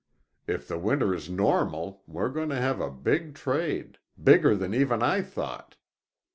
If the winter is normal we're going to have a big trade; bigger even than I thought.